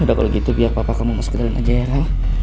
udah kalau gitu biar papa kamu masuk ke dalam aja ya ra